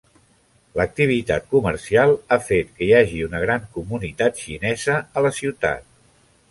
L'activitat comercial ha fet que hi hagi una gran comunitat xinesa a la ciutat.